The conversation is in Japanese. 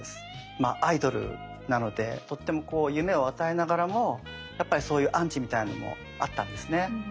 まあアイドルなのでとってもこう夢を与えながらもやっぱりそういうアンチみたいなのもあったんですね。